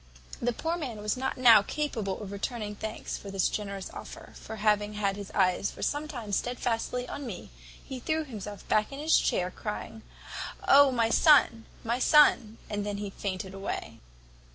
"The poor man was not now capable of returning thanks for this generous offer; for having had his eyes for some time stedfastly on me, he threw himself back in his chair, crying, `Oh, my son! my son!' and then fainted away.